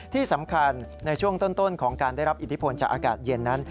ที่สำคัญในช่วงต้นของการได้รับอิทธิพลจากอากาศเย็นนั้น